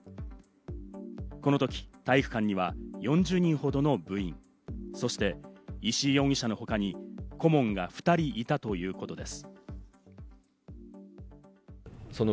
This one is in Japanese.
この時、体育館には４０人ほどの部員、そして石井容疑者のほかに顧問が２人いたということです。